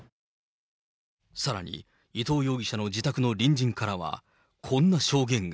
さらに伊藤容疑者の自宅の隣人からは、こんな証言が。